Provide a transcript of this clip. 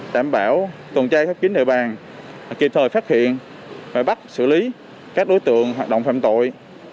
đảm bảo tuần trai khắp chính địa bàn kịp thời phát hiện và bắt xử lý các đối tượng hoạt động phạm tội